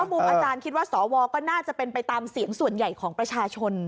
มุมอาจารย์คิดว่าสวก็น่าจะเป็นไปตามเสียงส่วนใหญ่ของประชาชน